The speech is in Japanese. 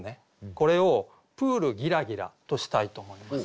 これを「プールぎらぎら」としたいと思います。